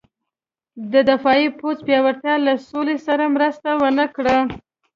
د دفاع پوځ پیاوړتیا له سولې سره مرسته ونه کړه.